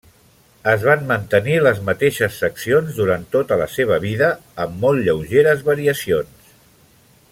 Es van mantenir les mateixes seccions durant tota la seva vida, amb molt lleugeres variacions.